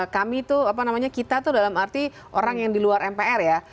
kami itu apa namanya kita tuh dalam arti orang yang di luar mpr ya